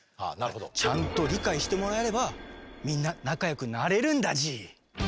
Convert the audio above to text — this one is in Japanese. ちゃんと理解してもらえればみんな仲よくなれるんだＧ。